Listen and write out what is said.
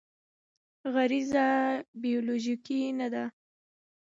غریزه بیولوژیکي نه دی.